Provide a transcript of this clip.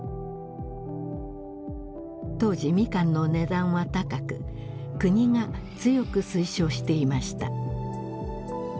当時ミカンの値段は高く国が強く推奨していました。